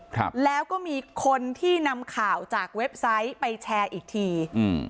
ครับแล้วก็มีคนที่นำข่าวจากเว็บไซต์ไปแชร์อีกทีอืม